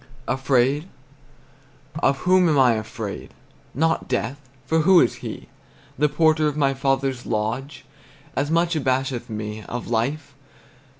Afraid? Of whom am I afraid? Not death; for who is he? The porter of my father's lodge As much abasheth me. Of life?